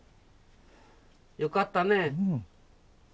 よかったね。